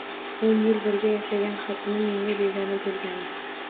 O'n yil birga yashagan xotinim menga begona bo‘lgandi